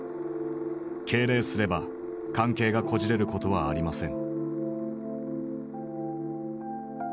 敬礼すれば関係がこじれることはありません」。